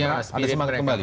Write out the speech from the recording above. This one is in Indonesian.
ada semangat kembali